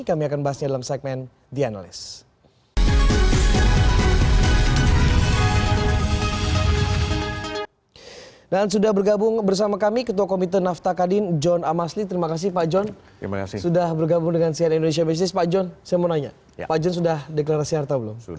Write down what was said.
kami akan bahasnya dalam segmen the analyst